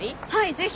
ぜひ。